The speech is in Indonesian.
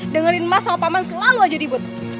dengerin mas sama paman selalu aja dibuat